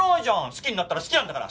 好きになったら好きなんだから！